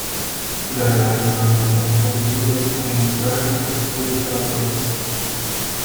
Their dice were made of polyurethane squares with felt dots.